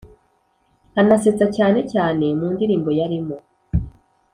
anasetsa cyane cyane mu ndilimbo yarimo